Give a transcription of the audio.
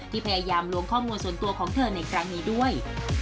พยายามล้วงข้อมูลส่วนตัวของเธอในครั้งนี้ด้วย